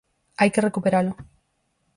Hai que recuperalo.